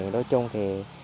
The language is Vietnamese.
đối chung thì